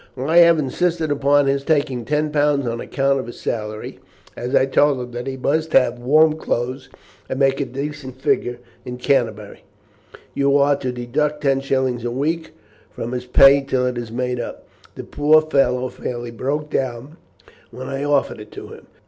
"I have insisted upon his taking ten pounds on account of his salary, as I told him that he must have warm clothes and make a decent figure in Canterbury. You are to deduct ten shillings a week from his pay till it is made up. The poor fellow fairly broke down when I offered it to him.